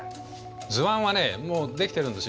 図案はねもうできてるんですよ。